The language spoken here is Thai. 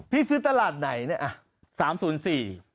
ซื้อตลาดไหนเนี่ย